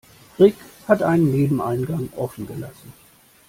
Rick hat einen Nebeneingang offen gelassen.